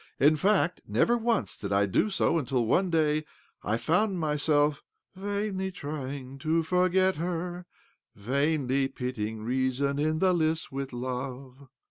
In fact, never once did I do so until one day I found myself ' vainly trying to forget her, vainly pitting reas<fii in the lists with love.'